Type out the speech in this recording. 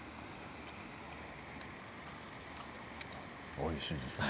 おいしいですね。